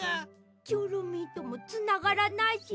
チョロミーともつながらないし。